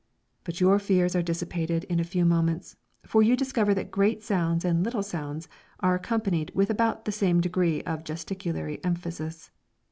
But your fears are dissipated in a few moments, for you discover that great sounds and little sounds are accompanied with about the same degree of gesticulatory emphasis.